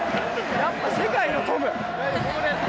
やっぱ世界のトム！